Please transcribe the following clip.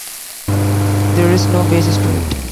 There is no basis to it.